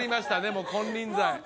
もう金輪際